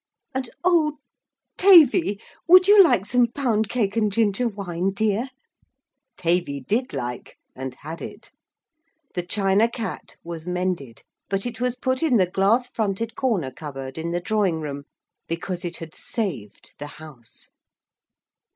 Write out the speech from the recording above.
And, oh, Tavy, would you like some pound cake and ginger wine, dear?' Tavy did like. And had it. The China Cat was mended, but it was put in the glass fronted corner cupboard in the drawing room, because it had saved the House.